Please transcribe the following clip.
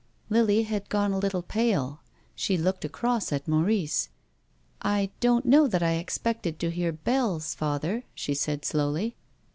Lily had gone a little pale. She looked across at Maurice. " I don't know that I expected to hear bells, father," she said slowly.